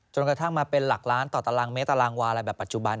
กระทั่งมาเป็นหลักล้านต่อตารางเมตรตารางวาอะไรแบบปัจจุบัน